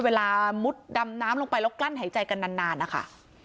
เวลามุดดำน้ำลงไปแล้วกลั้นหายใจกันนานนะคะ